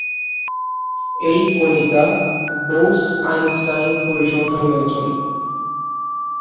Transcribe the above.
এই কণিকা বোস-আইনস্টাইন পরিসংখ্যান মেনে চলে।